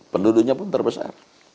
penduduknya pun terbesar